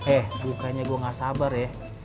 eh bukannya gua nggak sabar ya